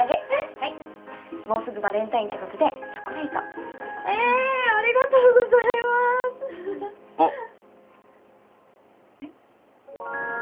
はいもうすぐバレンタインってことでチョコレートええありがとうございますあっえっ